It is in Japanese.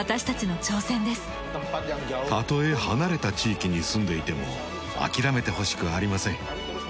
たとえ離れた地域に住んでいても諦めてほしくありません。